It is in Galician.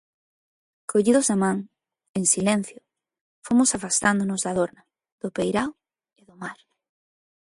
Collidos da man, en silencio, fomos afastándonos da dorna, do peirao e do mar.